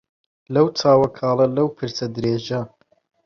لەو چاوە کاڵە لەو پرچە درێژە